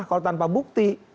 kalau tanpa bukti